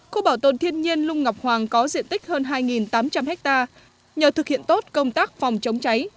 khu bảo tồn thiên nhiên lung ngọc hoàng có diện tích hơn hai tám trăm linh ha nhờ thực hiện tốt công tác phòng chống cháy